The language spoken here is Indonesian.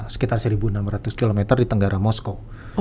sekitar satu enam ratus km di tenggara moskow